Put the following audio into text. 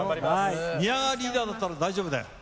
宮川リーダーだったら大丈夫だよ。